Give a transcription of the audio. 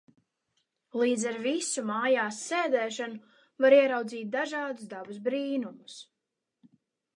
Līdz ar visu mājās sēdēšanu var ieraudzīt dažādus dabas brīnumus.